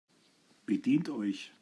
Bedient euch!